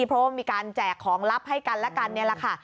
เพราะว่ามีการแจกของลับให้กันและกันนี่แหละค่ะ